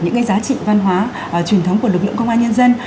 những giá trị văn hóa truyền thống của lực lượng công an nhân dân